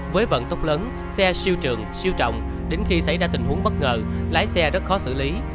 với vận tốc lớn xe siêu trường siêu trọng đến khi xảy ra tình huống bất ngờ lái xe rất khó xử lý